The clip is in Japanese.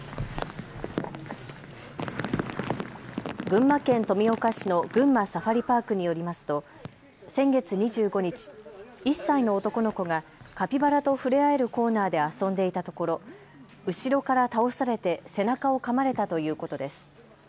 群馬県富岡市の群馬サファリパークによりますと先月２５日、１歳の男の子がカピバラと触れ合えるコーナーで遊んでいたところ後ろから倒されて背中をかまれたということです。